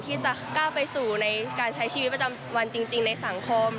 ที่จะก้าวไปสู่ในการใช้ชีวิตประจำวันจริงในสังคม